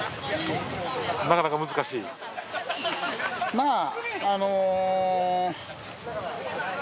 まあ。